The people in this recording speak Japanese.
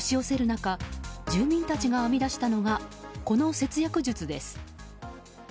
中住民たちが編み出したのがこの節約術です。